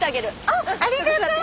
あっありがとう。